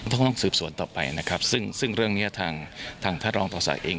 ต้องต้องสืบสวนต่อไปนะครับซึ่งซึ่งเรื่องนี้ทางทางท่านรองต่อศักดิ์เอง